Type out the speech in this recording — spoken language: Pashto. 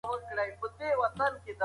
موږ د خپل کلتور ریښې پالو او ساتو یې.